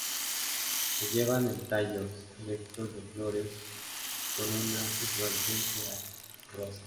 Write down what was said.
Se llevan en tallos erectos de flores con una inflorescencia rosa.